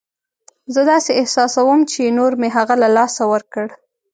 زه داسې احساسوم چې نور مې هغه له لاسه ورکړ.